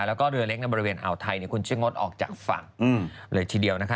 แล้วก็เรือเล็กในบริเวณอ่าวไทยคุณช่วยงดออกจากฝั่งเลยทีเดียวนะคะ